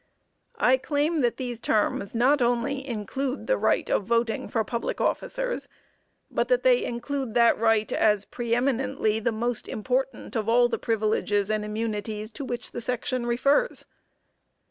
I claim that these terms not only include the right of voting for public officers, but that they include that right as pre eminently the most important of all the privileges and immunities to which the section refers.